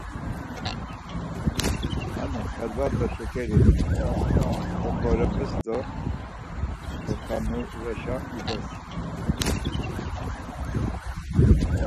Hani xelva do şekeri doǩorobes do doǩanureşa ides.